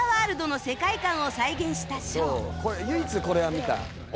こちらは「唯一これは見た」